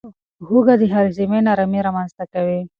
هوږه د هاضمې نارامي رامنځته کوي.